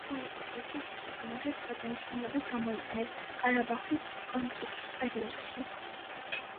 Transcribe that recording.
ბოლო პერიოდში ციხესიმაგრე სხვა დანიშნულებით გამოიყენეს ყარაბახის კონფლიქტის პერიოდში.